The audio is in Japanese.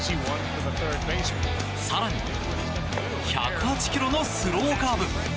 更に１０８キロのスローカーブ。